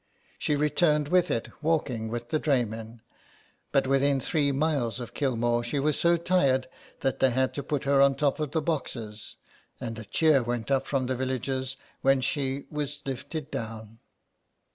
She returned with it, walking with the dray men, but within three miles of Kilmore she was so tired that they had to put her on the top of the boxes, and a cheer went up from the villagers when she was lifted down.